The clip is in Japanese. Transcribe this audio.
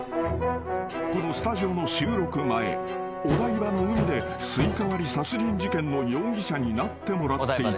［このスタジオの収録前お台場の海でスイカ割り殺人事件の容疑者になってもらっていたのだ］